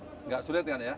nggak sulit kan ya